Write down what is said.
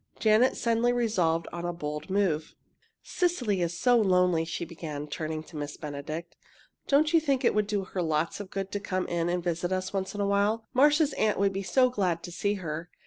Janet suddenly resolved on a bold move. "Cecily is so lonely," she began, turning to Miss Benedict. "Don't you think it would do her lots of good to come in and visit us once in a while? Marcia's aunt would be so glad to see her.